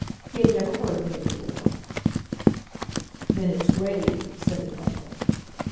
He had never heard of her before." "Then it's grave," said the Colonel.